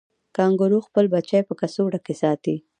کانګارو خپل بچی په کڅوړه کې ساتي